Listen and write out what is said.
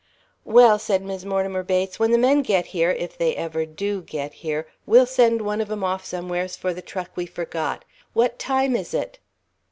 "Well," said Mis' Mortimer Bates, "when the men get here if they ever do get here we'll send one of 'em off somewheres for the truck we forgot. What time is it?"